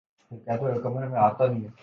دانش تیمور اور ہدایت کارہ